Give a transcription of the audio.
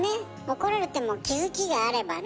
怒られても気づきがあればね。